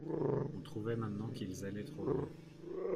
On trouvait maintenant qu'ils allaient trop loin.